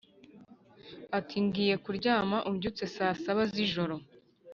Ati: ngiye kulyama umbyutse saa saba zijoro